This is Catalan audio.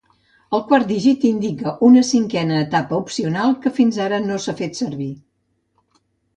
El quart dígit indica una cinquena etapa opcional que fins ara no s'ha fet servir.